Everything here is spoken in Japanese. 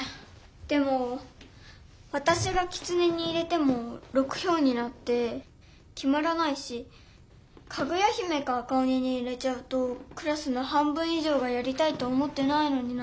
でもわたしが「きつね」に入れても６ひょうになってきまらないし「かぐや姫」か「赤おに」に入れちゃうとクラスの半分いじょうがやりたいと思ってないのになっちゃうし。